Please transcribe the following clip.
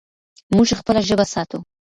موږ خپله ژبه ساتو.